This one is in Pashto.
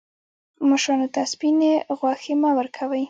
مشرانو ته سپیني غوښي مه ورکوئ.